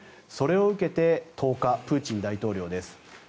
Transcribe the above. それを受けて、１０日プーチン大統領です。